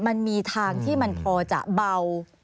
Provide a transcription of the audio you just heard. มันมีทางที่มันพอจะเบา